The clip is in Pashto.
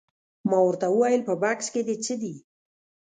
ما ورته وویل په بکس کې دې څه دي؟